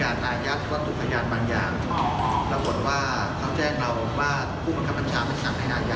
เพราะว่าพี่นักประชาช่วยเหลือในคณะนี้